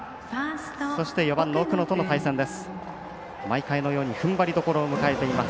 そして、奥野との対戦です。